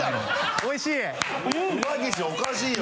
おいしい！